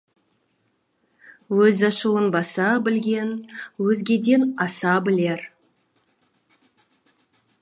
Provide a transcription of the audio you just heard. Өз ашуын баса білген өзгеден аса білер.